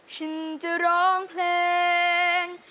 ฉันจะร้องเพลง